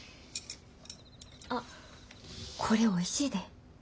あこれおいしいで。